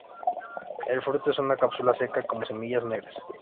El fruto es una cápsula seca con semillas negras.